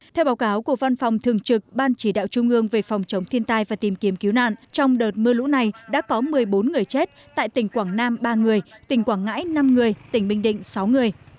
theo báo cáo của văn phòng thường trực ban chỉ đạo trung ương về phòng chống thiên tai và tìm kiếm cứu nạn trong đợt mưa lũ này đã có một mươi bốn người chết tại tỉnh quảng nam ba người tỉnh quảng ngãi năm người tỉnh bình định sáu người